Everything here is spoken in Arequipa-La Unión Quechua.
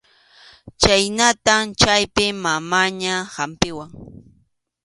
Chhaynatam chaypi mamaña hampiwan.